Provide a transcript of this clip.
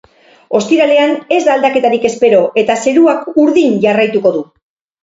Ostiralean ez da aldaketarik espero, eta zeruak urdin jarraituko du.